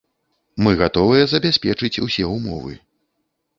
Мы гатовыя забяспечыць усе ўмовы.